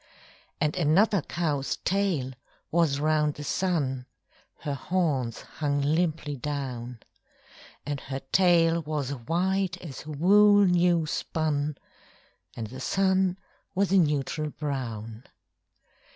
And another cow's tail was round the sun (Her horns hung limply down); And her tail was white as wool new spun, And the sun was a neutral brown.